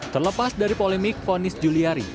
terlepas dari polemik fonis juliari